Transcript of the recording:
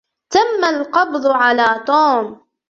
تم القبض على توم.